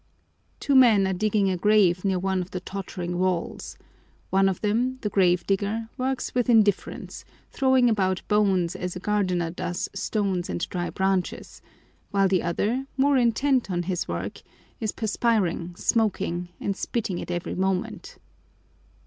Two men are digging a grave near one of the tottering walls. One of them, the grave digger, works with indifference, throwing about bones as a gardener does stones and dry branches, while the other, more intent on his work, is perspiring, smoking, and spitting at every moment.